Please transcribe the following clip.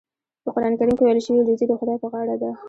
په قرآن کریم کې ویل شوي روزي د خدای په غاړه ده.